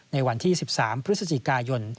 ในวันที่๑๓พฤศจิกายน